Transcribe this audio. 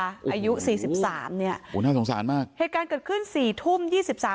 อายุสี่สิบสามเนี้ยโอ้น่าสงสารมากเหตุการณ์เกิดขึ้นสี่ทุ่มยี่สิบสาม